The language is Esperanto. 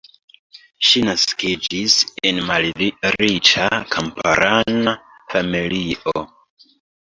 Ŝi naskiĝis en malriĉa kamparana familio.